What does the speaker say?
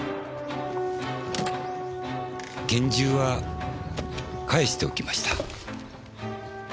拳銃は返しておきました。